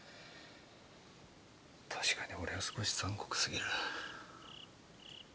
確かに俺は少し残酷すぎる。